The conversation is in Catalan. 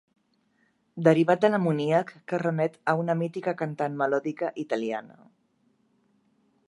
Derivat de l'amoníac que remet a una mítica cantant melòdica italiana.